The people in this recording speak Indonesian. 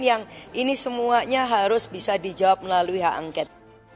yang ini semuanya harus bisa dijawab melalui hak angket